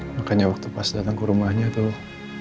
makanya waktu pas datang ke rumahnya tuh